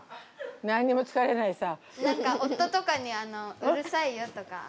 何にも疲れないさ。